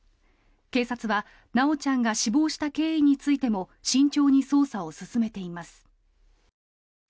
警察は、修ちゃんが死亡した経緯についても慎重に捜査を進めています。